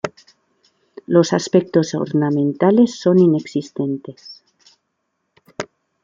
Los aspectos ornamentales son inexistentes.